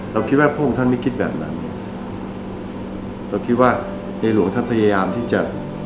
เราคิดว่าพระองค์ท่านไม่คิดแบบนั้นเราคิดว่าในหลวงท่านพยายามที่จะ